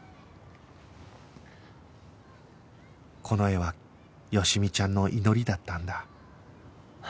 この絵は好美ちゃんの祈りだったんだ